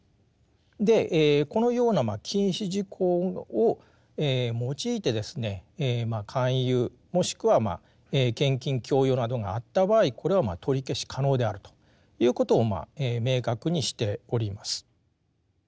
でこのような禁止事項を用いてですね勧誘もしくは献金強要などがあった場合これは取り消し可能であるということを明確にしております。